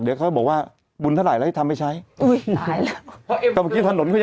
ดีท่าลายแล้วมึงจะมาบ่นดิ